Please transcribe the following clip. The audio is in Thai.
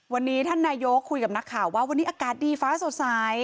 วันนี้ท่านนายกคุยกับนักข่าวว่าวันนี้อากาศดีฟ้าสดใส